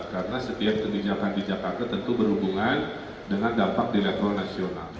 karena setiap kebijakan di jakarta tentu berhubungan dengan dampak di elektronasional